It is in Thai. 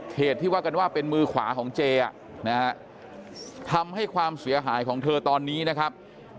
เหตุที่ว่ากันว่าเป็นมือขวาของเจนะฮะทำให้ความเสียหายของเธอตอนนี้นะครับ